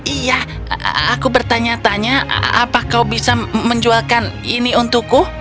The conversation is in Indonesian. iya aku bertanya tanya apa kau bisa menjualkan ini untukku